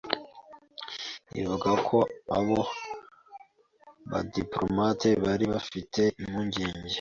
ivuga ko abo badiplomate bari bafite impungenge